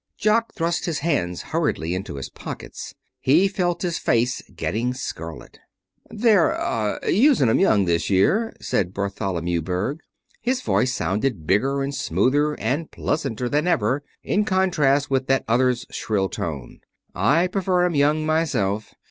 Jock thrust his hands hurriedly into his pockets. He felt his face getting scarlet. "They're ah using 'em young this year," said Bartholomew Berg. His voice sounded bigger, and smoother, and pleasanter than ever in contrast with that other's shrill tone. "I prefer 'em young, myself.